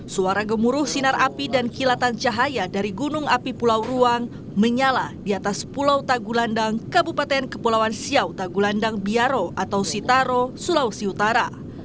suara gemuruh sinar api dan kilatan cahaya dari gunung api pulau ruang menyala di atas pulau tagulandang kabupaten kepulauan siau tagulandang biaro atau sitaro sulawesi utara